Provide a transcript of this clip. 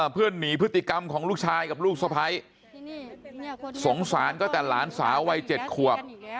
เพื่อนหนีพฤติกรรมของลูกชายกับลูกสะพ้ายสงสารก็แต่หลานสาววัย๗ขวบ